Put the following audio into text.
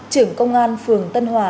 trưởng công an phường tân hòa